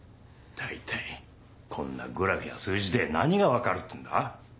大体こんなグラフや数字で何が分かるっつうんだ？